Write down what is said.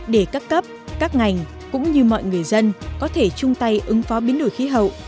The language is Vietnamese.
để các cấp các ngành cũng như mọi người dân có thể chung tay ứng phó biến đổi khí hậu